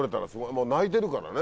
もう鳴いてるからね。